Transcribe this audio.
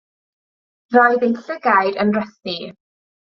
Roedd eu llygaid yn rhythu.